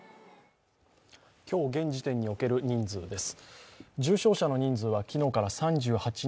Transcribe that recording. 今日現時点における人数です。